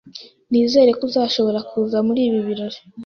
Nizere ko uzashobora kuza muri ibi birori